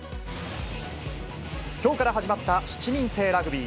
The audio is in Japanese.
きょうから始まった７人制ラグビー。